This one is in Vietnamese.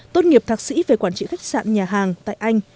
tốt nghiệp thạc sĩ về quản trị khách sạn nhà hàng tại anh